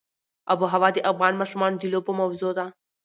آب وهوا د افغان ماشومانو د لوبو موضوع ده.